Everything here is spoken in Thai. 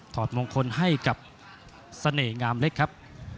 ถอดมงคลให้กับเสน่หงามเล็กครับ